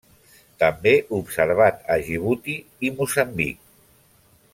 També observat a Djibouti i Moçambic.